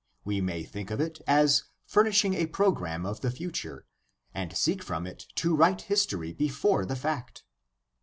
We may think of it as furnishing a program of the future and seek from it to write history before the fact.